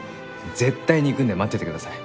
絶対に行くんで待っててください。